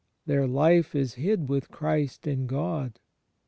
Their "Ufe is hid with Christ in God."